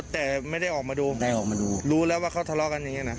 แต่ไม่ได้ออกมาดูไม่ได้ออกมาดูรู้แล้วว่าเขาทะเลาะกันอย่างนี้นะ